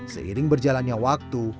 seiring berjalannya waktu